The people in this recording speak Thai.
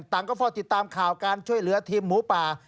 ก็เฝ้าติดตามข่าวการช่วยเหลือทีมหมูป่า